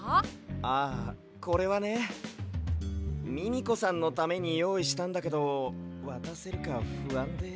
ああこれはねミミコさんのためによういしたんだけどわたせるかふあんで。